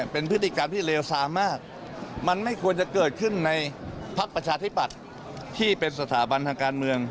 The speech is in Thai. พักประชาธิปัตย์ที่เป็นสถาบันทางการเมือง